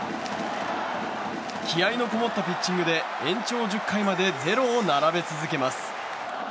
気合のこもったピッチングで延長１０回まで０を並べ続けます。